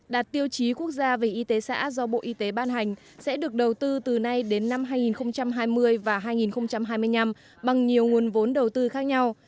đạt tiêu chí quốc gia về y tế xã do bộ y tế ban hành sẽ được đầu tư từ nay đến năm hai nghìn hai mươi và hai nghìn hai mươi năm bằng nhiều nguồn vốn đầu tư khác nhau